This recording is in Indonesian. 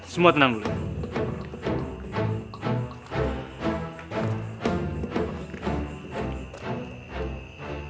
semua tenang dulu